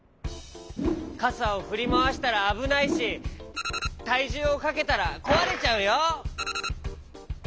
かさをふりまわしたらあぶないしたいじゅうをかけたらこわれちゃうよ。